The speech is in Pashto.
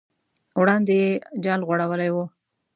وړاندې یې جال غوړولی و.